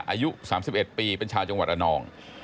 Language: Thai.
อายุ๓๑ปีเป็นชาวจังหวัดระนอง